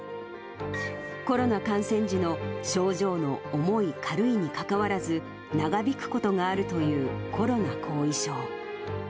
コロナ感染時の症状の重い、軽いにかかわらず、長引くことがあるというコロナ後遺症。